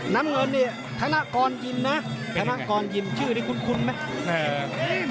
น้ำเงินนี่ธนกรยิมนะชื่อนี่คุ้นไหม